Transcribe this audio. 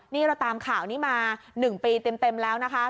นี่เราตามข่าวนี้มา๑ปีเต็มแล้วนะคะ